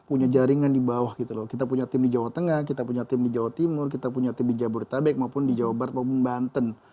punya jaringan di bawah gitu loh kita punya tim di jawa tengah kita punya tim di jawa timur kita punya tim di jabodetabek maupun di jawa barat maupun banten